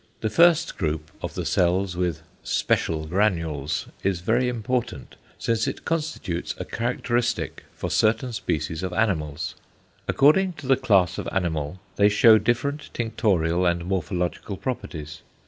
The first group of the cells with "=special granules=" is very important since it constitutes a characteristic for certain species of animals. According to the class of animal they shew different tinctorial and morphological properties.